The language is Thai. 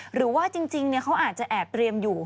หรือว่าจริงเขาอาจจะแอบเตรียมอยู่